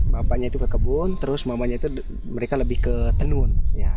bapaknya itu ke kebun terus mamanya itu mereka lebih ke tenun